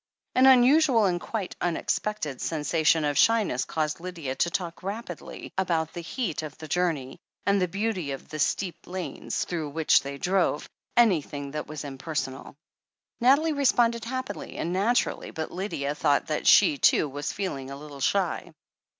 An unusual, and quite unexpected, sensation of shy ness caused Lydia to talk rapidly about the heat of the journey, and the beauty of the steep lanes through which they drove — ^anything that was impersonal. Nathalie responded happily and naturally, but Lydia thought that she, too, was feeling a little shy.